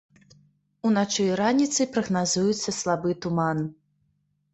Уначы і раніцай прагназуецца слабы туман.